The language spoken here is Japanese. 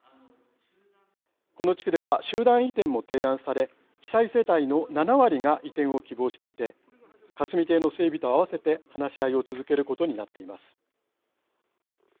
この地区では集団移転も提案され被災世帯の７割が移転を希望していて霞堤の整備と合わせて話し合いを続けることになっています。